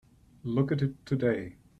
Look at it today.